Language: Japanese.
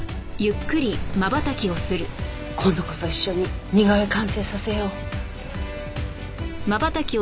今度こそ一緒に似顔絵完成させよう。